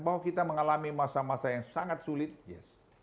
bahwa kita mengalami masa masa yang sangat sulit yes